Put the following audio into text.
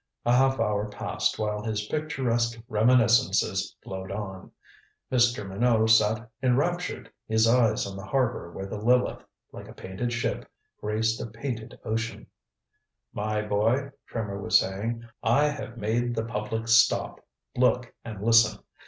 A half hour passed while his picturesque reminiscences flowed on. Mr. Minot sat enraptured his eyes on the harbor where the Lileth, like a painted ship, graced a painted ocean. "My boy," Trimmer was saying, "I have made the public stop, look and listen.